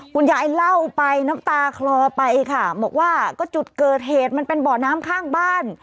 คุณยายเล่าไปน้ำตาคลอไปค่ะบอกว่าก็จุดเกิดเหตุมันเป็นบ่อน้ำข้างบ้าน